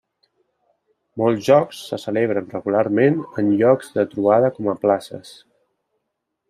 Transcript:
Molts jocs se celebren regularment en llocs de trobada com a places.